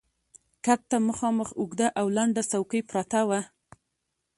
کټ ته مخامخ اوږده او لنډه څوکۍ پرته وه.